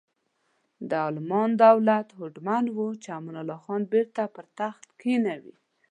د المان دولت هوډمن و چې امان الله خان بیرته پر تخت کینوي.